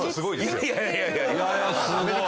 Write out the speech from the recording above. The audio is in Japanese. いやいやいやいや。